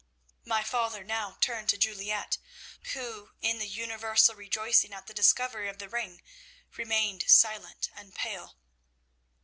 "My father now turned to Juliette, who in the universal rejoicing at the discovery of the ring remained silent and pale.